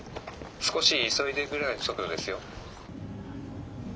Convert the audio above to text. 少し急いでるぐらいの速度ですよ。